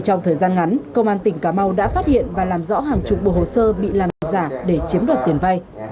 trong thời gian ngắn công an tỉnh cà mau đã phát hiện và làm rõ hàng chục bộ hồ sơ bị làm giả để chiếm đoạt tiền vay